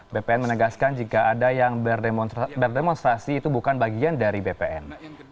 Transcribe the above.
bpn menegaskan jika ada yang berdemonstrasi itu bukan bagian dari bpn